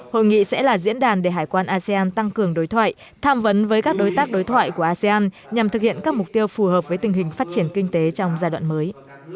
hội nghị sẽ là diễn đàn để hải quan asean tăng cường đối thoại tham vấn với các đối tác đối thoại của asean nhằm thực hiện các mục tiêu phù hợp với tình hình phát triển kinh tế trong giai đoạn mới